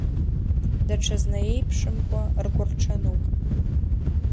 Даҽазны еиԥшымкәа ргәырҽануп.